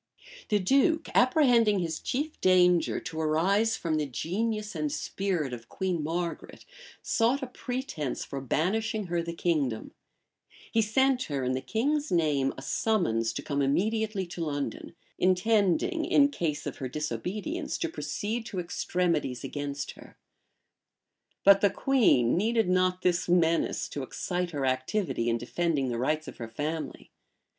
The duke, apprehending his chief danger to arise from the genius and spirit of Queen Margaret sought a pretence for banishing her the kingdom: he sent her, in the king's name, a summons to come immediately to London; intending, in case of her disobedience, to proceed to extremities against her. But the queen needed not this menace to excite her activity in defending the rights of her family.